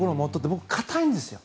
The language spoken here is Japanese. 僕、硬いんですよ。